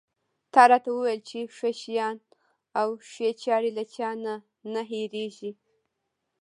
تا راته وویل چې ښه شیان او ښې چارې له چا نه نه هېرېږي.